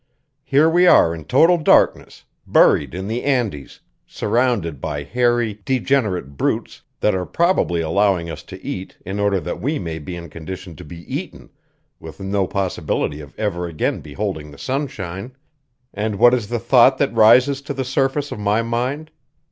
Here we are in total darkness, buried in the Andes, surrounded by hairy, degenerate brutes that are probably allowing us to eat in order that we may be in condition to be eaten, with no possibility of ever again beholding the sunshine; and what is the thought that rises to the surface of my mind?